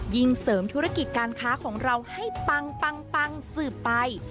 ยิ่งเสริมธุรกิจการค้าของเราให้ปังสืบไป